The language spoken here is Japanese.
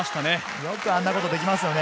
よくあんなことができますね。